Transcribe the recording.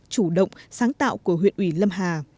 chủ động sáng tạo của huyện ủy lâm